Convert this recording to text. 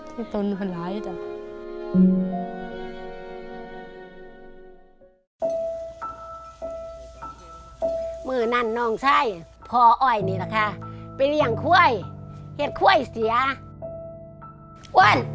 เมื่อ